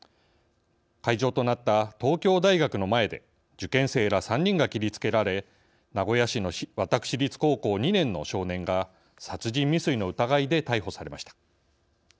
会場となった東京大学の前で受験生ら３人が切りつけられ名古屋市の私立高校２年の少年が殺人未遂の疑いで逮捕されました。